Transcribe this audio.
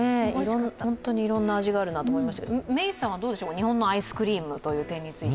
本当にいろんな味があると思いましたけど、メイさんはどうでしょうか、日本のアイスクリームという点について。